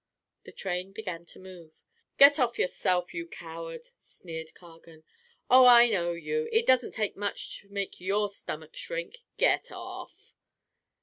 The train began to move. "Get off yourself, you coward," sneered Cargan. "Oh, I know you. It doesn't take much to make your stomach shrink. Get off."